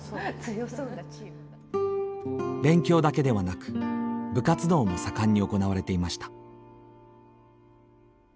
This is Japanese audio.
勉強だけではなく部活動も盛んに行われていました。